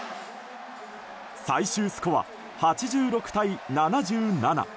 最終スコア８６対７７。